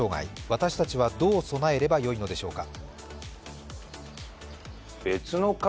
私たちはどう備えればよいのでしょうか。